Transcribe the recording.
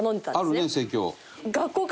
あるね生協。